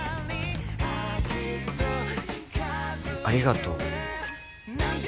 ありがとう。